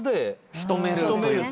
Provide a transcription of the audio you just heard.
仕留めるというか。